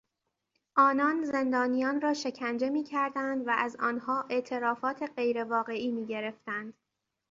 آنان زندانیان را شکنجه میکردند و از آنها اعترافات غیرواقعی میگرفتند.